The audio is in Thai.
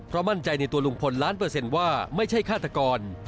มั่นใจในตัวลุงพลล้านเปอร์เซ็นต์ว่าไม่ใช่ฆาตกร